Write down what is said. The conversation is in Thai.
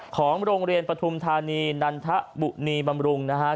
ของโรงเรียนปฐุมธานีนันทบุรีบำรุงนะฮะ